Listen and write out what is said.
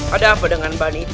ada apa dengan bani ini ibu